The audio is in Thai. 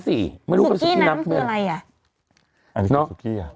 สุกี้น้ำคืออะไร